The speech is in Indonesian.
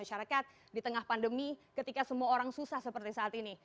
masyarakat di tengah pandemi ketika semua orang susah seperti saat ini